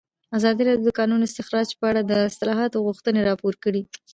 ازادي راډیو د د کانونو استخراج په اړه د اصلاحاتو غوښتنې راپور کړې.